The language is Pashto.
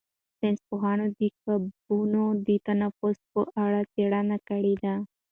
ساینس پوهانو د کبانو د تنفس په اړه څېړنه کړې ده.